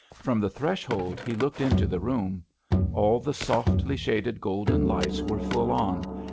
From the threshold he looked into the room. All the softly shaded golden lights were full on.